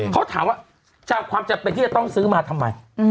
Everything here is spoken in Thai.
เขาถามว่าจากความจำเป็นที่จะต้องซื้อมาทำไม